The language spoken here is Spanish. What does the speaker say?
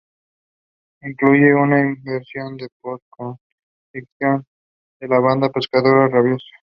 Incluye un versión de "Post Crucifixión", de la banda Pescado Rabioso.